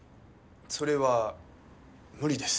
それは無理です。